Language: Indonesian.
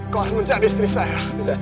kau harus mencari istri saya